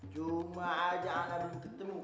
cuma aja anak yang ketemu